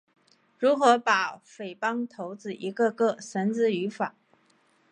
如何把匪帮头子一个个地绳之于法？